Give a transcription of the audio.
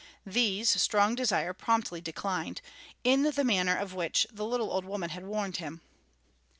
These Strong Desire promptly declined, in the manner of which the little old woman had warned him.